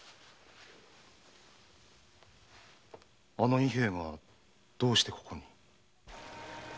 あの伊平がどうしてここに？